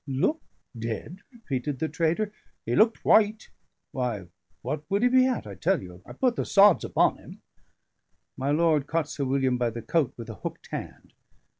"Look dead?" repeated the trader. "He looked white. Why, what would he be at? I tell you, I put the sods upon him." My lord caught Sir William by the coat with a hooked hand.